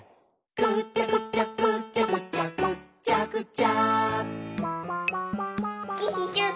「ぐちゃぐちゃぐちゃぐちゃぐっちゃぐちゃ」